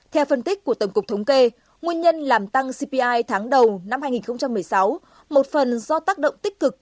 theo phân tích của tổng cục thống kê nguyên nhân làm tăng cpi tháng đầu năm hai nghìn một mươi sáu một phần do tác động tích cực